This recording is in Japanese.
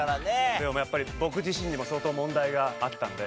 でもやっぱり僕自身にも相当問題があったので。